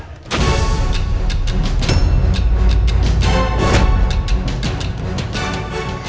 bagi pak jajah